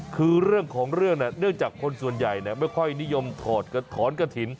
คือเรื่องของเรื่องเนื่องจากคนส่วนใหญ่ไม่ค่อยนิยมถอดถอนกระถิ่น